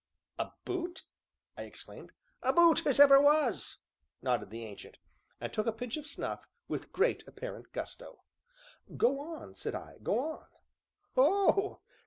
"A boot!" I exclaimed. "A boot as ever was," nodded the Ancient, and took a pinch of snuff with great apparent gusto. "Go on," said I, "go on." "Oh!